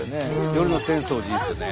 夜の浅草寺いいですよね。